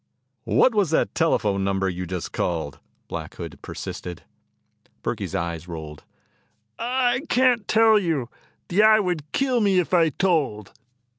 "What was that telephone number you just called?" Black Hood persisted. Burkey's eyes rolled. "I can't tell you. The Eye would kill me if I told."